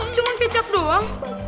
cuman kecap doang